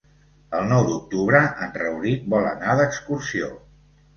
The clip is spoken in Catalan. El nou d'octubre en Rauric vol anar d'excursió.